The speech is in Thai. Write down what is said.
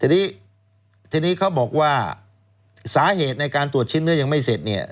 ทีนี้ทีนี้เขาบอกว่าสาเหตุในการตรวจชิ้นเนื้อยังไม่เสร็จเนี่ย